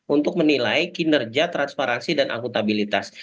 untuk menilai kinerja transparansi dan akuntabilitas